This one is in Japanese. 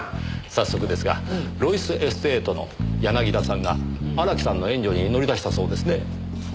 早速ですがロイスエステートの柳田さんが荒木さんの援助に乗り出したそうですねぇ。